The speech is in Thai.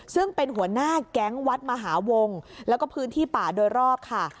ซึ่งเป็นหัวหน้าแก๊งวัดมหาวงแล้วก็พื้นที่ป่าโดยรอบค่ะ